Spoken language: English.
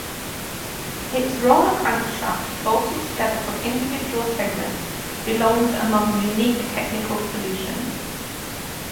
Its roller crankshaft bolted together from individual segments belongs among unique technical solutions.